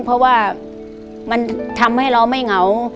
เพราะว่ามันทำให้เราไม่เหงา